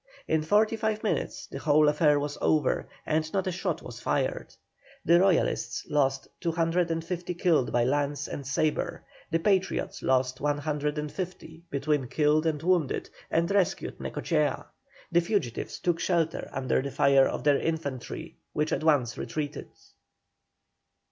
In forty five minutes the whole affair was over, and not a shot was fired. The Royalists lost 250 killed by lance and sabre; the Patriots lost 150 between killed and wounded, and rescued Necochea. The fugitives took shelter under the fire of their infantry, which at once retreated.